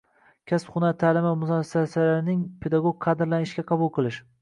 kasb-hunar ta’limi muassasalarining pedagog kadrlarini ishga qabul qilish